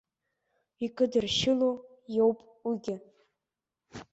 Икыдыршьыло иоуп уигьы.